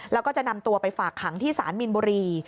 แล้วก็จะนำตัวไปฝากขังที่สารมินบุรี